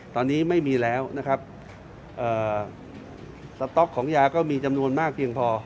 ตอนนี้ไม่มีแล้วนะครับสต๊อกของยาก็มีจำนวนมากเพียงพอ